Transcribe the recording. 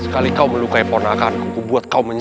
wah tolong aku